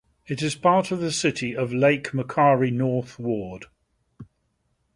It is part of the City of Lake Macquarie North Ward.